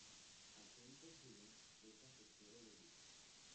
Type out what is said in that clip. Après une seule saison, le cercle fut relégué.